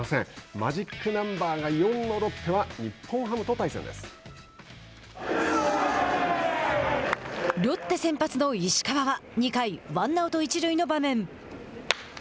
マジックナンバーが４のロッテはロッテ先発の石川は２回、ワンアウト、一塁の場面。